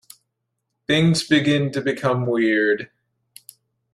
Things begin to become weird.